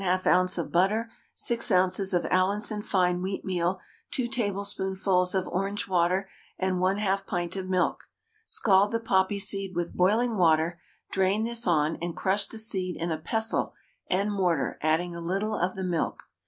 of butter, 6 oz. of Allinson fine wheatmeal, 2 tablespoonfuls of orange water, and 1/2 pint of milk. Scald the poppy seed with boiling water, drain this on and crush the seed in a pestle and mortar, adding a little of the milk.